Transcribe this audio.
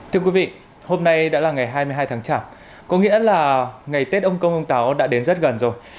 thưa quý vị hôm nay đã là ngày hai mươi hai tháng chạp có nghĩa là ngày tết ông công ông táo đã đến rất gần rồi